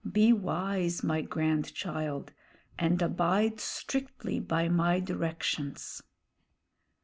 Be wise, my grandchild, and abide strictly by my directions."